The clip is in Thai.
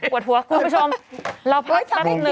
ปวดหัวคุณผู้ชมเราพักสักนิดหนึ่ง